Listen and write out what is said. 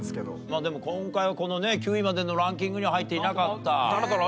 まあでも今回はこのね９位までのランキングには入っていなかった。